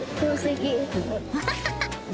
ハハハハ！